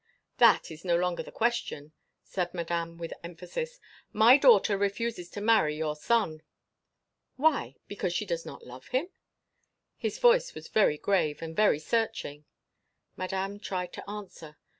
"That is no longer the question," said Madame with emphasis. "My daughter refuses to marry your son." "Why? Because she does not love him?" His voice was very grave and very searching. Madame tried to answer.